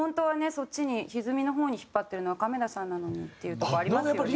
そっちに歪みの方に引っ張ってるのは亀田さんなのにっていうとこありますよね。